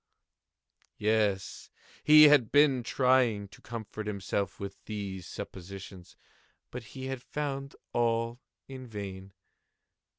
Yes, he had been trying to comfort himself with these suppositions: but he had found all in vain.